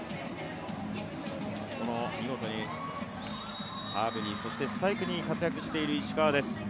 見事なサーブ、スパイクに活躍している石川です。